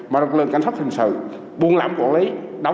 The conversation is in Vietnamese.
mà lực lượng cảnh sát hình sự buôn lãm quản lý